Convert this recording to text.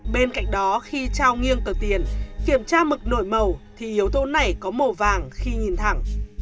bên cạnh đó khi trao nghiêng cờ tiền kiểm tra mực nổi màu thì yếu tố này có màu vàng khi nhìn thẳng